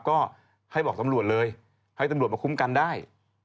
ก็ให้บอกตำรวจเลยให้ตำรวจมาคุ้มกันได้